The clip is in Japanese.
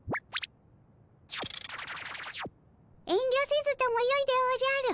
遠慮せずともよいでおじゃる。